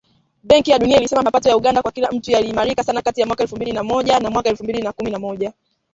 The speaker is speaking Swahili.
Benki ya Dunia ilisema mapato ya Uganda kwa kila mtu yaliimarika sana kati ya mwaka elfu mbili na moja na mwaka elfu mbili kumi na moja